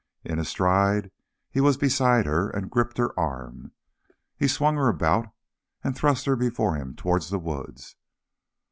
In a stride he was beside her, and gripped her arm. He swung her about, and thrust her before him towards the woods.